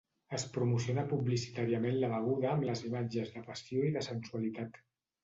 Es promociona publicitàriament la beguda amb les imatges de passió i de sensualitat.